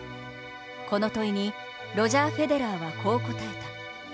この問いに、ロジャー・フェデラーはこう答えた。